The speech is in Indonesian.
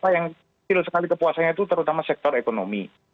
yang kepuasannya itu terutama sektor ekonomi